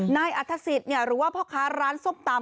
นายอัฐศิษย์หรือว่าพ่อค้าร้านส้มตำ